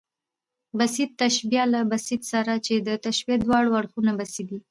بسیط تشبیه له بسیط سره، چي د تشبیه د واړه اړخونه بسیط يي.